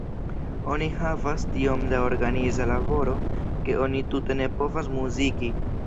Oni havas tiom da organiza laboro, ke oni tute ne povas muziki.